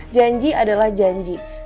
janji adalah janji